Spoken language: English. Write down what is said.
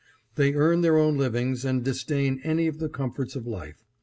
They earn their own livings and disdain any of the comforts of life.